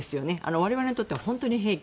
我々にとっては本当に兵器。